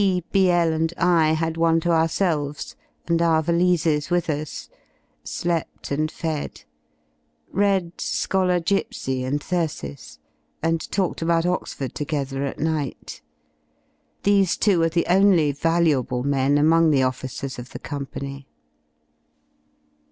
B , Bl , and I had one to ourselves, and our ^ valises with us. Slept and fed. Read "Scholar Gipsy" and "Thyrsis" and talked about Oxford together at night. These two are the only valuable men among the officers of the Company.